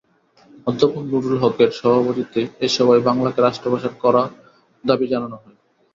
অধ্যাপক নুরুল হকের সভাপতিত্বে এ সভায় বাংলাকে রাষ্ট্রভাষা করার দাবি জানানো হয়।